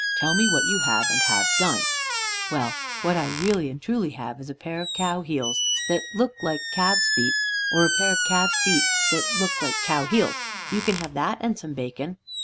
Tell me what you have, and have done." "Well, what I really and truly have is a pair of cow heels that look like calves' feet, or a pair of calves' feet that look like cow heels. You can have that and some bacon."